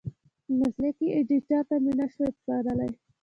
مسلکي ایډېټر ته مې نشوای سپارلی.